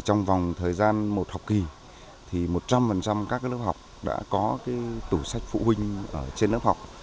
trong vòng thời gian một học kỳ một trăm linh các lớp học đã có tủ sách phụ huynh ở trên lớp học